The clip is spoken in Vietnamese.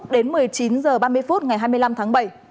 đến một mươi chín h ba mươi phút ngày hai mươi năm tháng bảy